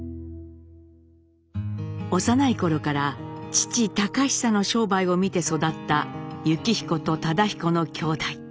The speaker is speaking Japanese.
幼い頃から父隆久の商売を見て育った幸彦と忠彦の兄弟。